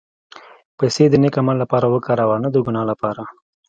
پېسې د نېک عمل لپاره وکاروه، نه د ګناه لپاره.